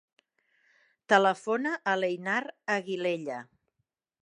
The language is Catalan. Telefona a l'Einar Aguilella.